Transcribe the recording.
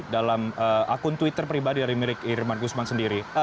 dalam akun twitter pribadi dari mirip irman gusman sendiri